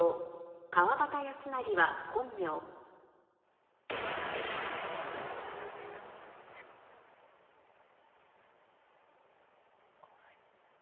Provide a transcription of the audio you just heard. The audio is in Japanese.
川端康成は本名怖い。